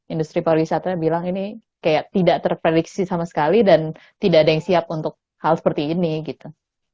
industri pariwisata bilang ini kayak tidak terprediksi sama sekali dan tidak ada yang siap untuk hal seperti ini gitu